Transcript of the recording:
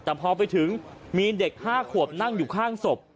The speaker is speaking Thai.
แต่พอไปถึงมีเด็ก๕ขวบนั่งอยู่ข้างศพ